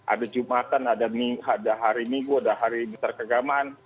ada jumatan ada hari minggu ada hari besar kegamaan